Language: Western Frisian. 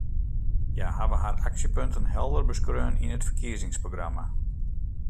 Hja hawwe har aksjepunten helder beskreaun yn it ferkiezingsprogramma.